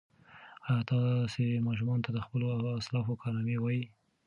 ایا تاسي ماشومانو ته د خپلو اسلافو کارنامې وایئ؟